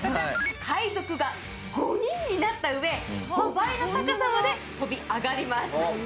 海賊が５人になったうえ、５倍の高さまで飛び上がります。